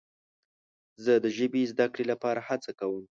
زه د ژبې زده کړې لپاره هڅه کوم.